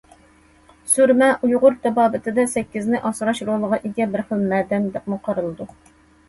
سۈرمە ئۇيغۇر تېبابىتىدە سەككىزنى ئاسراش رولىغا ئىگە بىر خىل مەدەن، دەپمۇ قارىلىدۇ.